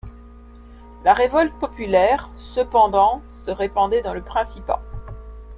La révolte populaire, cependant, se répandait dans le Principat.